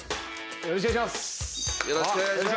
よろしくお願いします。